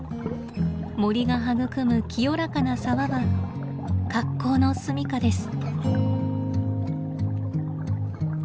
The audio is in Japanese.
森が育む清らかな沢は格好のすみかです。